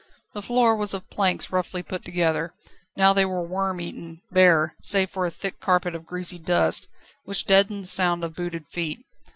The floor was of planks roughly put together; now they were worm eaten, bare, save for a thick carpet of greasy dust, which deadened the sound of booted feet.